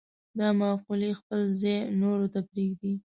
دا مقولې خپل ځای نورو ته پرېږدي.